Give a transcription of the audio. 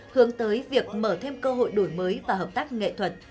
hướng tới việc mở thêm cơ hội đổi mới và hợp tác nghệ thuật